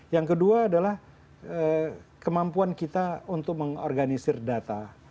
yang kedua adalah kemampuan kita untuk mengorganisir data